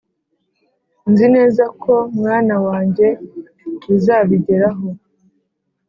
'nzi neza ko mwana wanjye yuzabigeraho